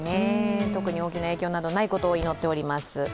特に大きな影響などないことを祈っております。